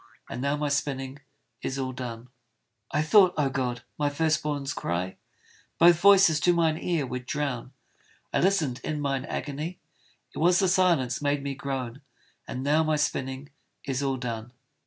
And now my spinning is all done. I thought, O God! my first born's cry Both voices to mine ear would drown: I listened in mine agony, It was the silence made me groan! And now my spinning is all done.